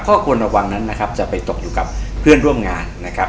ข้อควรระวังนั้นนะครับจะไปตกอยู่กับเพื่อนร่วมงานนะครับ